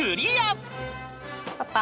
パパ！